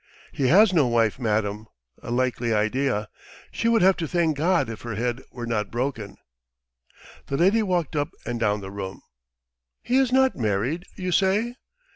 "He has no wife, madam. A likely idea! She would have to thank God if her head were not broken. ..." The lady walked up and down the room. "He is not married, you say?"